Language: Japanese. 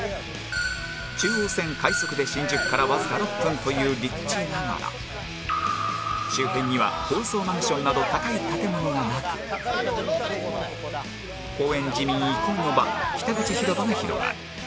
中央線快速で新宿からわずか６分という立地ながら周辺には高層マンションなど高い建物がなく高円寺民憩いの場北口広場が広がる